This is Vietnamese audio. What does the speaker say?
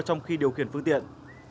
trong khi điều khiển phương tiện